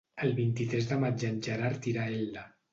El vint-i-tres de maig en Gerard irà a Elda.